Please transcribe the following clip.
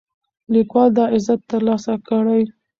لیکوال دا عزت ترلاسه کړی.